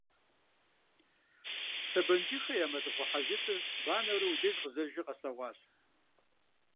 Сэбаншыхэ я мэлыхъуэ хьэжьитӀыр банэурэ уи дежкӀэ нызэрыжэр къэслъэгъуащ.